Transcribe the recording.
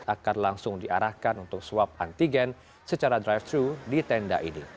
akan langsung diarahkan untuk swab antigen secara drive thru di tenda ini